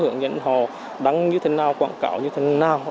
họ đăng như thế nào quảng cáo như thế nào